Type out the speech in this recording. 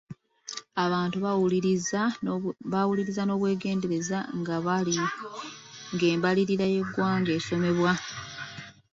Abantu baawuliriza n'obwegenddereza ng'embalirira y'eggwanga esomebwa.